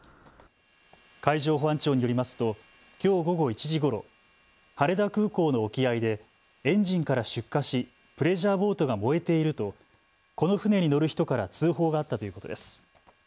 海上保安庁によりますときょう午後１時ごろ、羽田空港の沖合でエンジンから出火しプレジャーボートが燃えているとこの船に乗る人から通報があったということです。